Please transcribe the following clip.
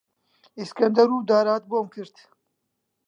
ئیسکەندەر و دارات بۆم کرد،